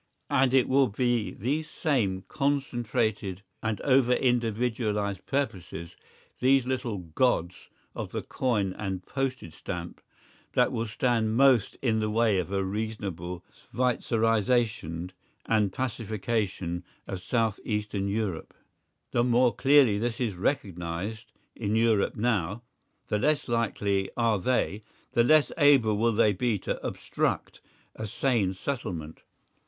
And it will be these same concentrated and over individualised purposes, these little gods of the coin and postage stamp that will stand most in the way of a reasonable Schweitzerisation and pacification of south eastern Europe. The more clearly this is recognised in Europe now, the less likely are they, the less able will they be to obstruct a sane settlement.